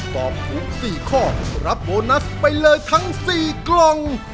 ตอบถูก๔ข้อรับโบนัสไปเลยทั้ง๔กล่อง